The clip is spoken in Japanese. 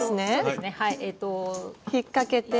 引っかけて。